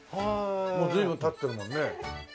もう随分経ってるもんね。